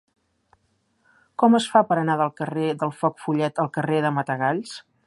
Com es fa per anar del carrer del Foc Follet al carrer del Matagalls?